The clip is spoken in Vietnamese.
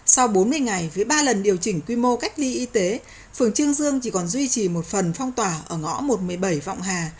sau bốn mươi ngày với ba lần điều chỉnh quy mô cách ly y tế phường trương dương chỉ còn duy trì một phần phong tỏa ở ngõ một trăm một mươi bảy vọng hà